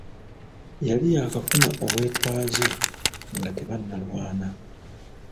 Yali yaakafuna obwetwaze nga tebannalwana.